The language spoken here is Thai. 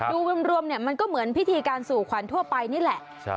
ดูรวมเนี่ยมันก็เหมือนพิธีการสู่ขวัญทั่วไปนี่แหละ